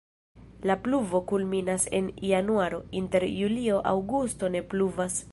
La pluvo kulminas en januaro, inter julio-aŭgusto ne pluvas.